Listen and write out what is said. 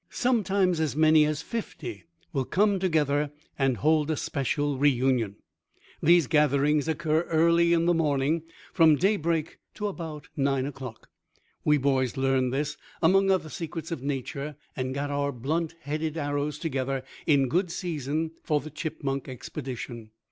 Sometimes as many as fifty will come together and hold a social reunion. These gatherings occur early in the morning, from daybreak to about nine o'clock. We boys learned this, among other secrets of nature, and got our blunt headed arrows together in good season for the chipmunk expedition.